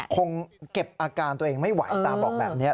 คงเก็บอาการตัวเองไม่ไหวตาบอกแบบนี้